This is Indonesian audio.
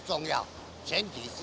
untuk mengurangkan jumlah kelebihan